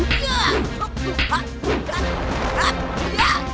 dasar kurang ajar